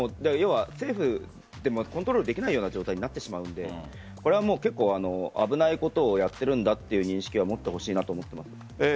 要は政府でもコントロールできない状態になってしまうのでこれは結構危ないことをやっているんだという認識は持ってほしいと思っています。